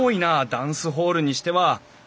ダンスホールにしては。